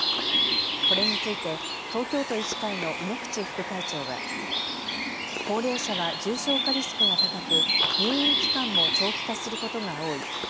これについて東京都医師会の猪口副会長は高齢者は重症化リスクが高く入院期間も長期化することが多い。